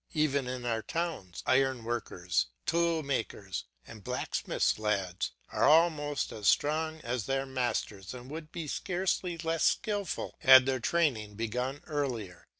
Even in our towns, iron workers', tool makers', and blacksmiths' lads are almost as strong as their masters and would be scarcely less skilful had their training begun earlier.